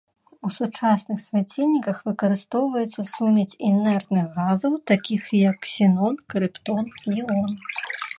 У сучасных свяцільніках выкарыстоўваецца сумець інертных газаў, такіх як ксенон, крыптон, неон.